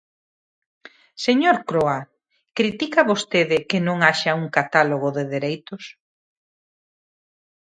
Señor Croa, critica vostede que non haxa un catálogo de dereitos.